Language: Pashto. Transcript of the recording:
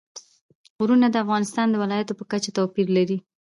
غرونه د افغانستان د ولایاتو په کچه توپیر لري.